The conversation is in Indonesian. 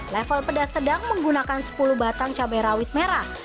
level pedas sedang menggunakan sepuluh batang cabai rawit merah